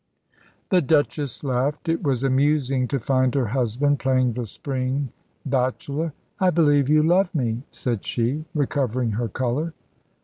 The Duchess laughed. It was amusing to find her husband playing the spring bachelor. "I believe you love me," said she, recovering her colour.